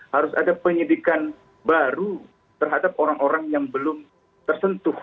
harus ada penyidikan baru terhadap orang orang yang belum tersentuh